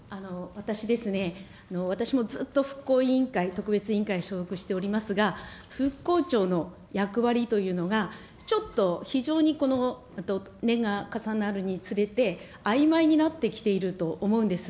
私ですね、私もずっと復興委員会、特別委員会に所属しておりますが、復興庁の役割というのがちょっと非常に年が重なるにつれて、あいまいになってきていると思うんです。